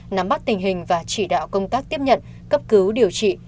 nắm bắt tình hình và chỉ đạo công tác tiếp nhận cấp cứu điều trị